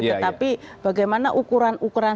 tetapi bagaimana ukuran ukuran